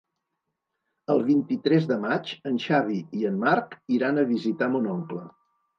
El vint-i-tres de maig en Xavi i en Marc iran a visitar mon oncle.